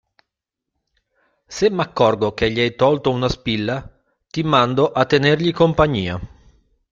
Se m'accorgo che gli hai tolto una spilla, ti mando a tenergli compagnia.